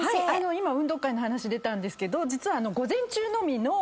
今運動会の話出たんですけど実は。